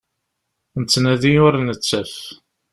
Nettnadi ur nettaf.